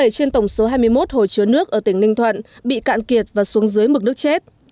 bảy trên tổng số hai mươi một hồ chứa nước ở tỉnh ninh thuận bị cạn kiệt và xuống dưới mực nước chết